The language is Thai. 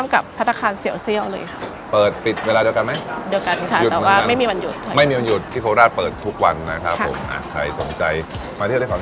มีที่โคลาอีกที่หนึ่งโคลาอีกที่หนึ่งโคลาอีกที่หนึ่ง